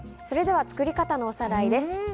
それでは作り方のおさらいです。